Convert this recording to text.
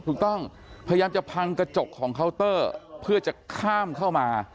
พยายามจะพังกระจกของเคาน์เตอร์เพื่อจะข้ามเข้ามา